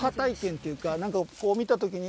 っていうか